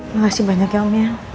masih banyak ya om ya